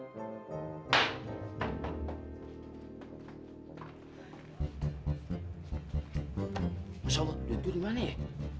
masya allah duit gue di mana ya